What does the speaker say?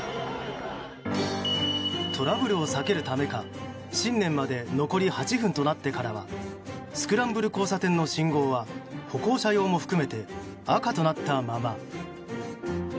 トラブルを避けるためか新年まで残り８分となってからはスクランブル交差点の信号は歩行者用も含めて赤となったまま。